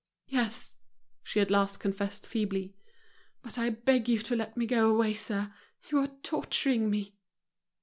"Yes," she at last confessed, feebly. "But I beg you to let me go away, sir, you are torturing me."